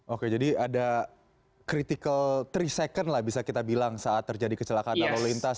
oke jadi ada critical tiga second lah bisa kita bilang saat terjadi kecelakaan lalu lintas